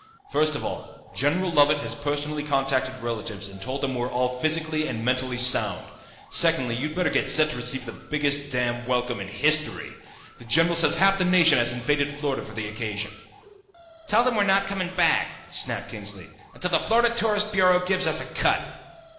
First of all, General Lovett has personally contacted relatives and told them we're all physically and mentally sound. Secondly, you'd better get set to receive the biggest damn welcome in history. The general says half the nation has invaded Florida for the occasion." "Tell them we're not coming back," snapped Kingsley, "until the Florida Tourist Bureau gives us a cut."